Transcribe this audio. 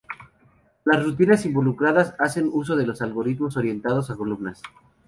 Las rutinas involucradas hacen uso de algoritmos orientados a columnas.